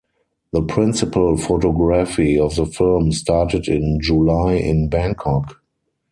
The principal photography of the film started in July in Bangkok.